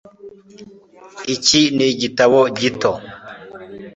iki ni igitabo gito